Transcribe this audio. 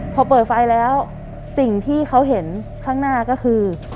พอเปิดไฟแล้วสิ่งที่เขาเห็นข้างหน้าก็คือ